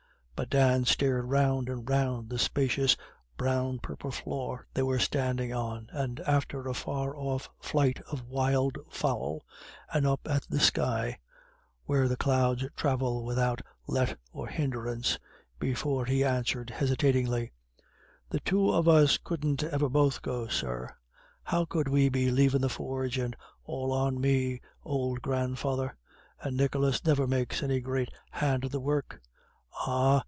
But Dan stared round and round the spacious brown purple floor they were standing on, and after a far off flight of wild fowl, and up at the sky, where the clouds travel without let or hindrance, before he answered hesitatingly: "The two of us couldn't ever both go, sir. How could we be lavin' the forge and all on me ould grandfather? And Nicholas never makes any great hand of the work." "Ah!